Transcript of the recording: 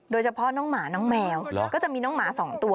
โดยเฉพาะน้องหมาน้องแมวก็จะมีน้องหมา๒ตัว